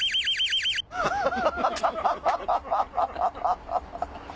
ハハハハハハ！